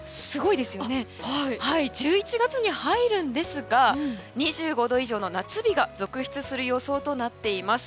１１月に入るんですが２５度以上の夏日が続出する予想となっています。